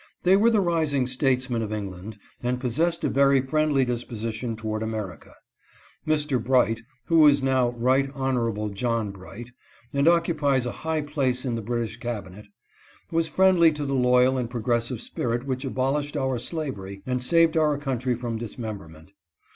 They were the rising statesmen of England, and possessed a very friendly disposition toward America. Mr. Bright, who is now Right Honor able John Bright, and occupies a high place in the British cabinet, was friendly to the loyal and progressive spirit which abolished our slavery and saved our country from dismemberment.